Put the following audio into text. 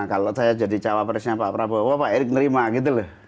kalau saya jadi cawapresnya pak prabowo pak erick nerima gitu loh